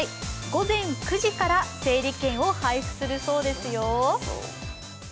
午前９時から整理券を配布するそうですよ。